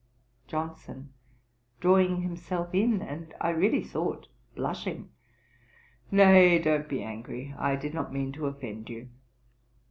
JOHNSON (drawing himself in, and, I really thought blushing,) 'Nay, don't be angry. I did not mean to offend you.'